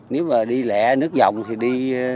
nếu mà đi lẹ nước dòng thì đi